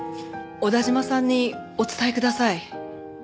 小田嶋さんにお伝えください。